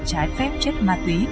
trái phép chất ma túy